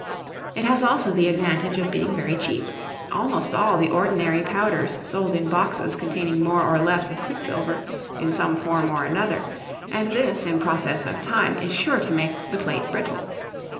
It has also the advantage of being very cheap; almost all the ordinary powders sold in boxes containing more or less of quicksilver, in some form or another; and this in process of time is sure to make the plate brittle.